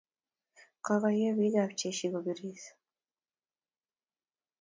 kokoiywei bik ab cheshi kobiris